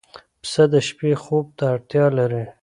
پسه د شپې خوب ته اړتیا لري.